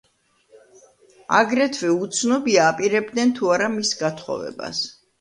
აგრეთვე უცნობია აპირებდნენ თუ არა მის გათხოვებას.